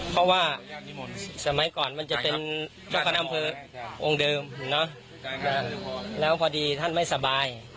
เพราะว่าสมัยก่อนมันจะเป็นเจ้าคณะอำเภอองค์เดิมแล้วพอดีท่านไม่สบาย